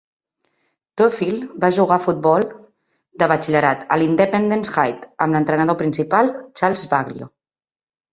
Toefield va jugar a futbol de batxillerat a l'Independence High, amb l'entrenador principal Charles Baglio.